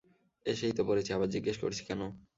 এসেই তো পড়েছি, আবার জিজ্ঞেস করছি কেন?